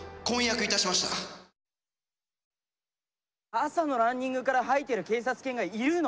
朝のランニングから吐いてる警察犬がいるの？